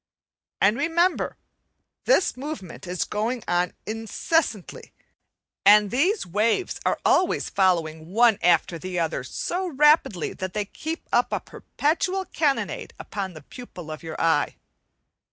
And remember, this movement is going on incessantly, and these waves are always following one after the other so rapidly that they keep up a perpetual cannonade upon the pupil of your eye.